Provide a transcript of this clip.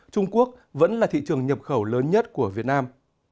trung quốc vẫn là thị trường nhập khẩu lớn nhất của việt nam